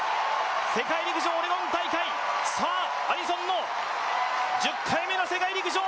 世界陸上オレゴン大会、さあ、アリソンの１０回目の世界陸上！